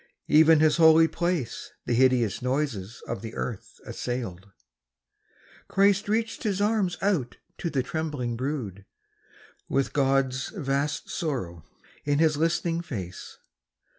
(Even His holy place The hideous noises of the earth assailed.) Christ reached His arms out to the trembling brood, With God's vast sorrow in His listening face.